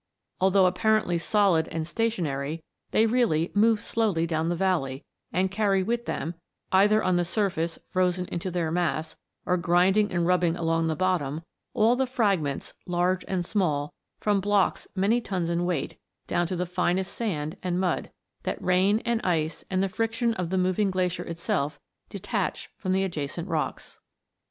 Although apparently solid and stationary, they really move slowly down the valley, and carry with them, either on the surface, frozen into their mass, or grinding and rubbing along the bottom, all the fragments, large and small, from blocks many tons in weight, down to the finest sand and mud, that rain, and ice, and the friction of the moving glacier itself, detach from the adjacent rocks.